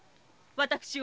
私は。